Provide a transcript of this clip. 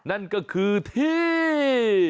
นั่นก็คือที่